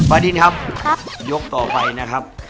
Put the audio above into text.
ดินครับยกต่อไปนะครับ